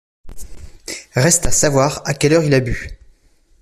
Reste à savoir à quelle heure il a bu.